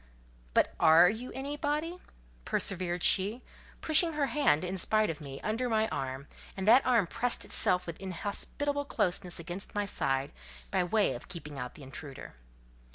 "But are you anybody?" persevered she, pushing her hand, in spite of me, under my arm; and that arm pressed itself with inhospitable closeness against my side, by way of keeping out the intruder.